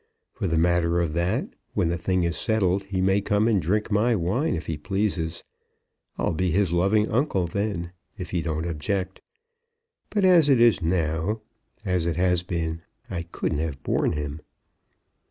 For the matter of that, when the thing is settled he may come and drink my wine if he pleases. I'll be his loving uncle then, if he don't object. But as it is now; as it has been, I couldn't have borne him."